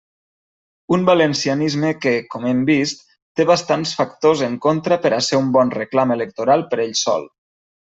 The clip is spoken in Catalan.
Un valencianisme que, com hem vist, té bastants factors en contra per a ser un bon reclam electoral per ell sol.